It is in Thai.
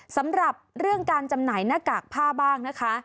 สำหรับเรื่องการจำหน่ายหน้ากากผ้าบ้างนะคะ